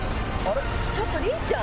ちょっとりんちゃん？